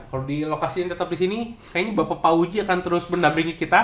kalau di lokasi ini tetap di sini kayaknya bapak fauji akan terus benda bringi kita